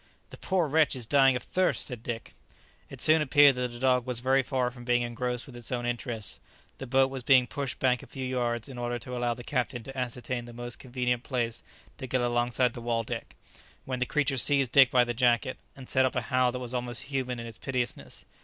"The poor wretch is dying of thirst!" said Dick. It soon appeared that the dog was very far from being engrossed with its own interests. The boat was being pushed back a few yards in order to allow the captain to ascertain the most convenient place to get alongside the "Waldeck," when the creature seized Dick by the jacket, and set up a howl that was almost human in its piteousness.